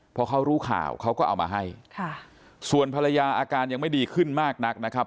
พอเขารู้ข่าวเขาก็เอามาให้ค่ะส่วนภรรยาอาการยังไม่ดีขึ้นมากนักนะครับ